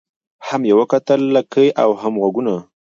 هم یې وکتل لکۍ او هم غوږونه